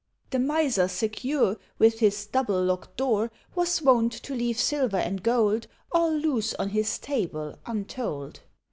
The Miser secure, With his double locked door, Was wont to leave silver and gold All loose on his table, untold.